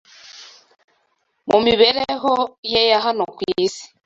Mu mibereho ye ya hano ku isi,